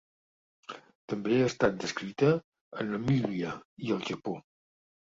També ha estat descrita a Namíbia i al Japó.